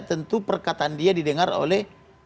tentu perkataan dia didengar oleh